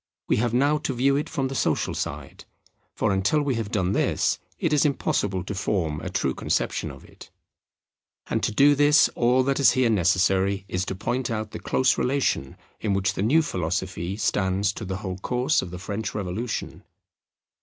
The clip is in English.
We have now to view it from the social side; for until we have done this, it is impossible to form a true conception of it. [The relation of Positivism to the French Revolution] And to do this, all that is here necessary is to point out the close relation in which the new philosophy stands to the whole course of the French Revolution.